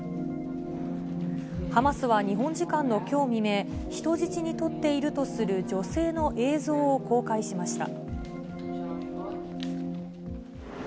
ハマスは日本時間のきょう未明、人質に取っているとする女性の映像を公開しました。